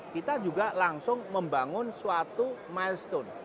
kita juga langsung membangun suatu milestone